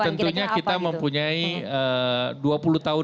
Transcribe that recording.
tentunya kita mempunyai dua puluh tahun